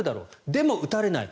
でも打たれない。